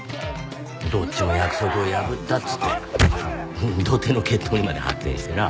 どっちも約束を破ったっつって土手の決闘にまで発展してな。